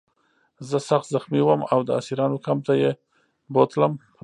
زه سخت زخمي وم او د اسیرانو کمپ ته یې بوتلم